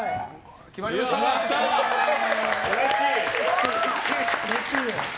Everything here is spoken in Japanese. うれしい！